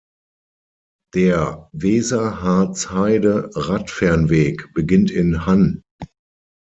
Der Weser-Harz-Heide-Radfernweg beginnt in Hann.